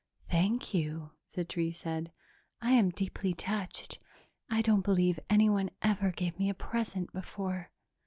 "Thank you," the tree said. "I am deeply touched. I don't believe anyone ever gave me a present before.